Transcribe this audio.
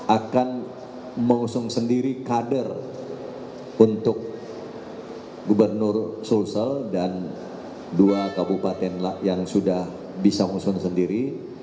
akan mengusung sendiri kader untuk gubernur sulsel dan dua kabupaten yang sudah bisa mengusung sendiri